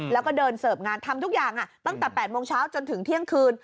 แล้วก็เดินเสิร์ฟงานทำทุกอย่างตั้งแต่๘โมงเช้าจนถึงเที่ยงคืน